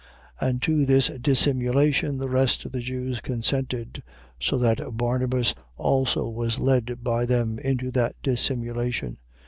2:13. And to his dissimulation the rest of the Jews consented: so that Barnabas also was led by them into that dissimulation.